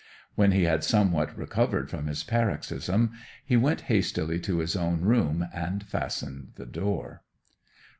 When he had somewhat recovered from his paroxysm he went hastily to his own room and fastened the door.